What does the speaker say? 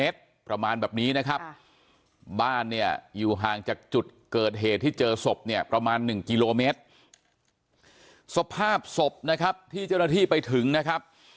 สภาพศพนะครับที่เจ้าหน้าที่ไปถึงนะครับ